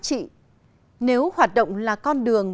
không có chủ thể và hoạt động của chủ thể là con người và loài người